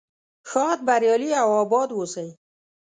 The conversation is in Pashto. ښاد بریالي او اباد اوسئ.